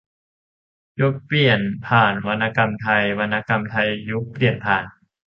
- ยุคเปลี่ยนผ่านวรรณกรรมไทย วรรณกรรมไทยยุคเปลี่ยนผ่าน